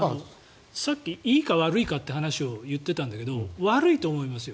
さっき、いいか悪いかという話を言ってたんだけど悪いと思いますよ